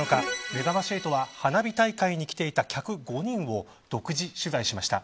めざまし８は花火大会に来ていてた客５人を独自取材しました。